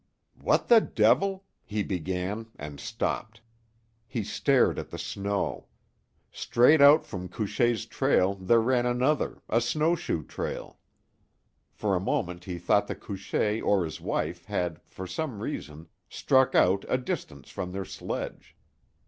"What the devil " he began, and stopped. He stared at the snow. Straight out from Couchée's trail there ran another a snow shoe trail. For a moment he thought that Couchée or his wife had for some reason struck out a distance from their sledge.